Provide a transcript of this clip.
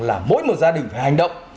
là mỗi một gia đình phải hành động